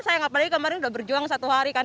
sayang apalagi kemarin udah berjuang satu hari kan